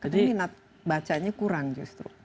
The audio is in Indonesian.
tapi minat bacanya kurang justru